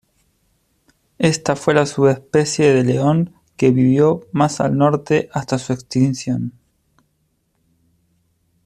Esta fue la subespecie de león que vivió más al norte hasta su extinción.